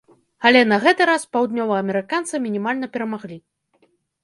Але на гэты раз паўднёваамерыканцы мінімальна перамаглі.